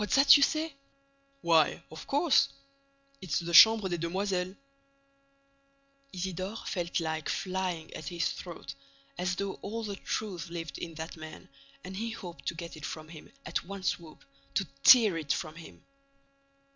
—What's that you say?" "Why, of course—it's the Chambre des Demoiselles." Isidore felt like flying at his throat, as though all the truth lived in that man and he hoped to get it from him at one swoop, to tear it from him.